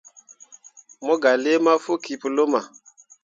Mo gah lii mafokki pu luma.